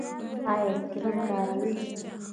ایا کریم کاروئ؟